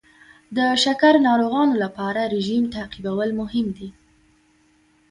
د شکر ناروغانو لپاره رژیم تعقیبول مهم دي.